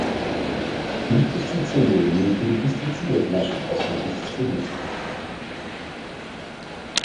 Их пестициды не перепистицидят наши по своей пестицидности.